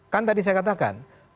kan tadi saya katakan